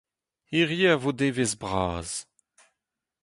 Hiziv a vo devezh bras.